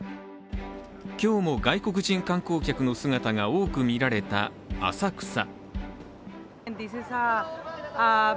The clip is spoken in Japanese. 今日も外国人観光客の姿が多く見られた浅草。